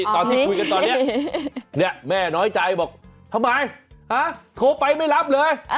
ตอนที่คุยกันตอนนี้แม่น้อยใจบอกทำไมโทรไปไม่รับเลย